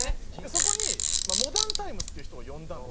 そこにモダンタイムスっていう人を呼んだんですよ。